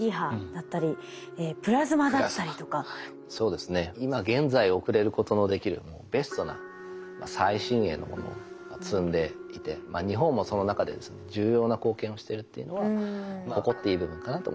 そうですね今現在送れることのできるベストな最新鋭のものを積んでいて日本もその中で重要な貢献をしてるっていうのは誇っていい部分かなと思いますね。